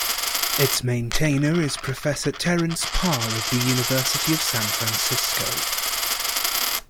Its maintainer is Professor Terence Parr of the University of San Francisco.